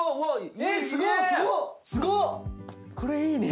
これいいね。